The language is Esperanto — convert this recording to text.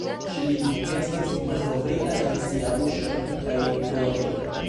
Ŝlimo estis malkovrita en sia buŝo kaj gorĝo.